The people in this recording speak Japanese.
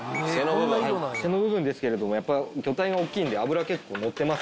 背の部分ですけど魚体が大きいんで脂結構のってますね。